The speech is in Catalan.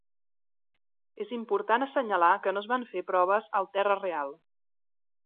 És important assenyalar que no es van fer proves al terra real.